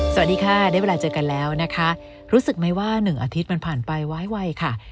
สวัสดีค่ะได้เวลาเจอกันแล้วนะคะรู้สึกไหมว่า๑อาทิตย์มันผ่านไปไว้ไวค่ะ